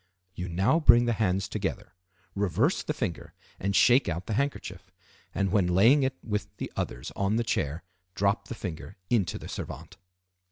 You now bring the hands together, reverse the finger, and shake out the handkerchief; and, when laying it with the others on the chair, drop the finger into the servante.